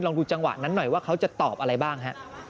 ดูจังหวะนั้นหน่อยว่าเขาจะตอบอะไรบ้างฮะ